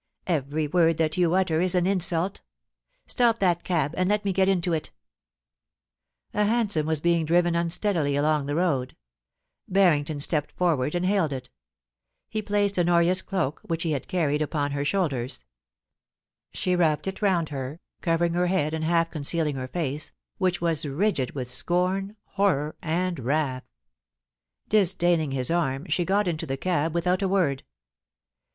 Every word that you utter is an insulL Stop that cab, and let me get into it' \ hansom was being driven unsteadily along the road. Earrington stepped forward and hailed it. He placed Honoria's cloak, which he had carried, upon her shoulders. She ^Tapped it round her, covering her head and half con cealing her face, which was rigid with scorn, horror, and wrath. Disdaining his arm, she got into the cab without a word.